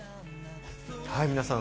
皆さん